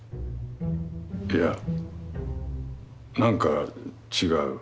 いや何か違う。